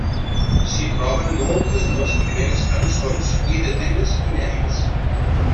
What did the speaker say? S'hi troben moltes de les primeres cançons i de temes inèdits.